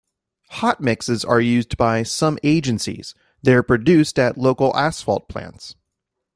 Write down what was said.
Hot mixes are used by some agencies, they are produced at local asphalt plants.